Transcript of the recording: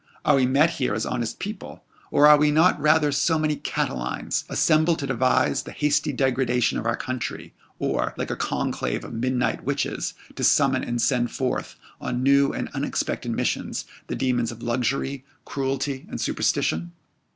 Are we met here as honest people? or are we not rather so many Catilines assembled to devise the hasty degradation of our country, or, like a conclave of midnight witches, to summon and send forth, on new and unexpected missions, the demons of luxury, cruelty, and superstition?